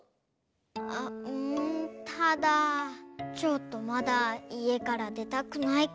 あっうんただちょっとまだいえからでたくないかも。